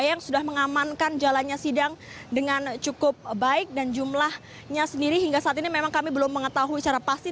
yang sudah mengamankan jalannya sidang dengan cukup baik dan jumlahnya sendiri hingga saat ini memang kami belum mengetahui secara pasti